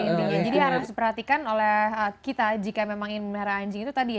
intinya jadi harus diperhatikan oleh kita jika memang ingin memelihara anjing itu tadi ya